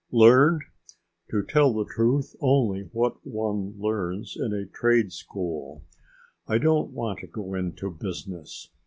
"Learned? To tell the truth, only what one learns in a trade school. I don't want to go into business.